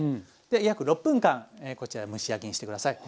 で約６分間こちら蒸し焼きにして下さい。